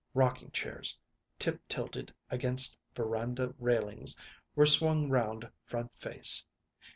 Rocking chairs, tiptilted against veranda railings, were swung round front face.